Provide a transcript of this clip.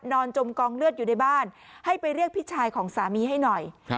จมกองเลือดอยู่ในบ้านให้ไปเรียกพี่ชายของสามีให้หน่อย